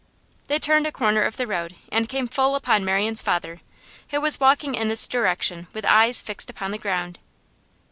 They turned a corner of the road, and came full upon Marian's father, who was walking in this direction with eyes fixed upon the ground.